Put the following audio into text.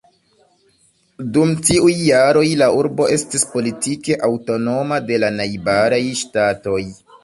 Dum tiuj jaroj la urbo estis politike aŭtonoma de la najbaraj ŝtatoj.